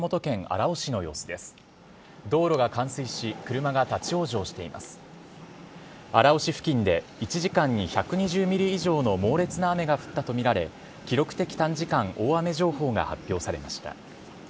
荒尾市付近で、１時間に１２０ミリ以上の猛烈な雨が降ったと見られ、記録的短時間大雨情報が発表されました。